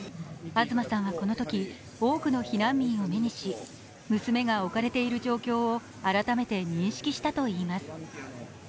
東さんはこのとき、多くの避難民を目にし、娘が置かれている状況を改めて認識したといいます。